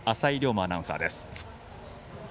馬アナウンサーです。